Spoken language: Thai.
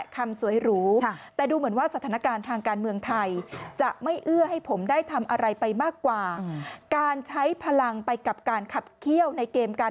เกมการเมืองค่ะ